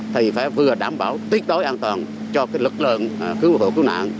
thì phải vừa đảm bảo tiết đối an toàn cho lực lượng cứu nạn